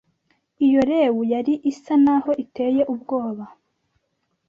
Iyo lewu yari isa naho iteye ubwoba